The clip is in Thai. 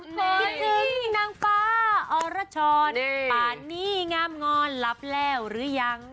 คิดถึงนางป้าอรชรปานี่งามงอนรับแล้วหรือยัง